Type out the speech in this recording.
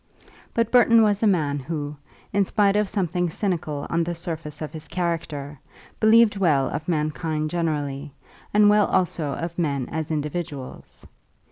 But Burton was a man who, in spite of something cynical on the surface of his character, believed well of mankind generally, and well also of men as individuals.